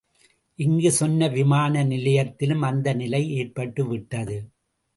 இங்குச் சென்னை விமான நிலையத்திலும் அந்த நிலை ஏற்பட்டுவிட்டது.